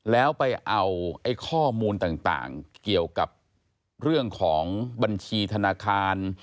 แล้วไปเอาข้อมูลต่างเกี่ยวกับเรื่องของบัญชีธนาคาร